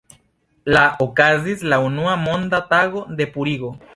La okazis la unua Monda Tago de Purigo.